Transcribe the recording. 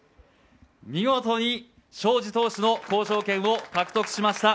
見事に荘司投手の交渉権を獲得しました。